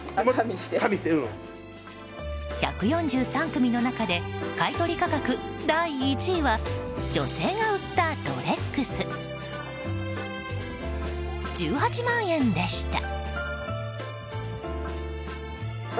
１４３組の中で買い取り価格、第１位は女性が売ったロレックス１８万円でした。